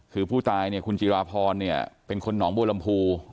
คือผู้ตายคุณจีราพรเป็นคนหนองบูรรมภู